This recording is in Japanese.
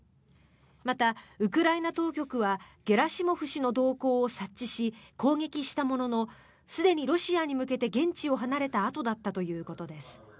またウクライナ当局はゲラシモフ氏の動向を察知し攻撃したもののすでにロシアに向けて現地を離れたあとだったということです。